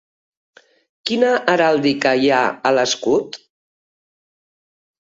Quina heràldica hi ha a l'escut?